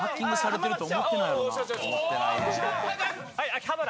秋葉原。